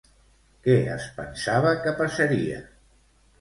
Què es pensava que passaria?